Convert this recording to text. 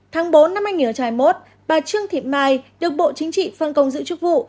tháng bốn năm hai nghìn hai mươi một bà trương thị mai được bộ chính trị phân công giữ chức vụ